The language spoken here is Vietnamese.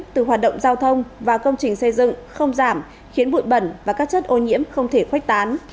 từ hoạt động giao thông và công trình xây dựng không giảm khiến bụi bẩn và các chất ô nhiễm không thể khuếch tán